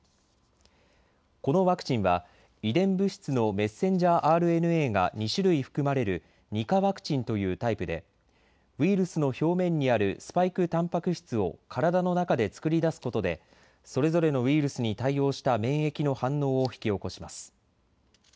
このワクチンは遺伝物質のメッセンジャーＲＮＡが２種類含まれる２価ワクチンというタイプでウイルスの表面にあるスパイクたんぱく質を体の中で作り出すことでそれぞれのウイルスに対応した免疫の反応を引き起こします。